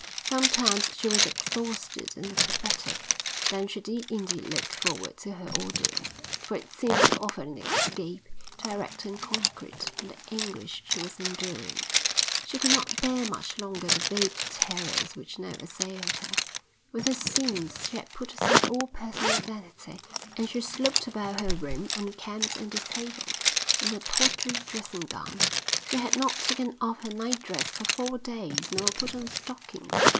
Sometimes she was exhausted and apathetic. Then she did indeed look forward to her ordeal, for it seemed to offer an escape, direct and concrete, from the anguish she was enduring. She could not bear much longer the vague terrors which now assailed her. With her sins she had put aside all personal vanity, and she slopped about her room, unkempt and dishevelled, in her tawdry dressing gown. She had not taken off her night dress for four days, nor put on stockings.